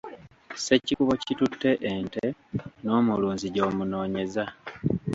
Ssekikubo kitutte ente, n’omulunzi gy’omunoonyeza.